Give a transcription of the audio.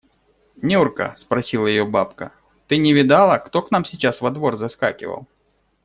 – Нюрка, – спросила ее бабка, – ты не видала, кто к нам сейчас во двор заскакивал?